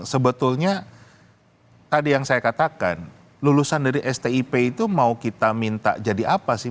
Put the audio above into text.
sebetulnya tadi yang saya katakan lulusan dari stip itu mau kita minta jadi apa sih